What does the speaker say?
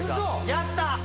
やった！